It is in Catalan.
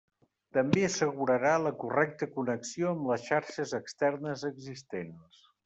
També assegurarà la correcta connexió amb les xarxes externes existents.